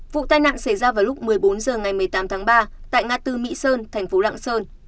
vụ tai nạn xảy ra vào lúc một mươi bốn h ngày một mươi tám tháng ba tại ngã tư mỹ sơn thành phố lạng sơn